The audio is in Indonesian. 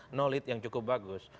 knowledge yang cukup bagus